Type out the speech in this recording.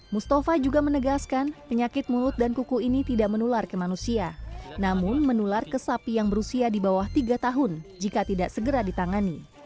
mustafa juga menegaskan penyakit mulut dan kuku ini tidak menular ke manusia namun menular ke sapi yang berusia di bawah tiga tahun jika tidak segera ditangani